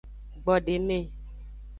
Gbodeme.